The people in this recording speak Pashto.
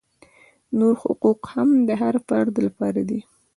نور حقوق هم د هر فرد لپاره دي.